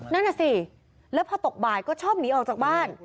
นั่นน่ะสิแล้วพอตกบ่ายก็ชอบหนีออกจากบ้าน